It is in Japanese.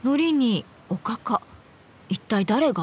一体誰が？